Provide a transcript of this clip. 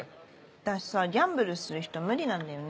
私さギャンブルする人無理なんだよね。